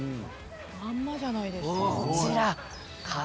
まんまじゃないですか。